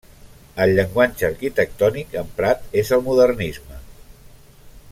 El llenguatge arquitectònic emprat és el Modernisme.